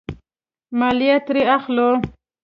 مالیه ترې اخلو.